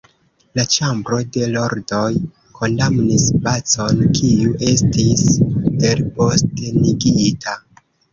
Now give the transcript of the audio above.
La Ĉambro de Lordoj kondamnis Bacon, kiu estis elpostenigita.